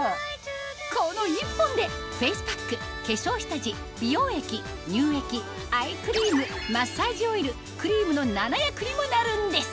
この１本でフェイスパック化粧下地美容液乳液アイクリームマッサージオイルクリームの７役にもなるんです